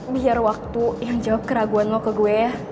biar waktu yang jawab keraguan lo ke gue ya